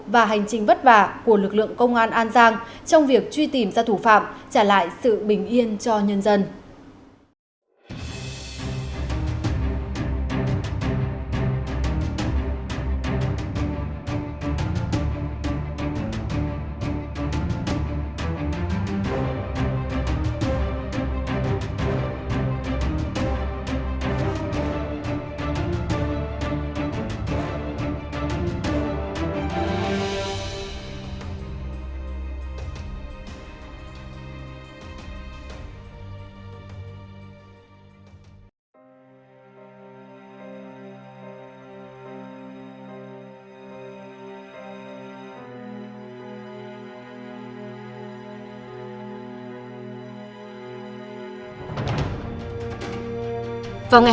và hành trình vất vả của lực lượng công an an giang trong việc truy tìm ra thủ phạm trả lại sự bình yên cho nhân dân